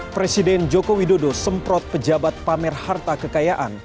presiden joko widodo semprot pejabat pamer harta kekayaan